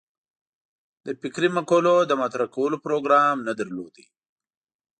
د فکري مقولو د مطرح کولو پروګرام نه درلود.